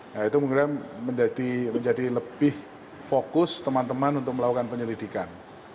nah itu mungkin menjadi lebih fokus teman teman untuk melakukan penyelidikan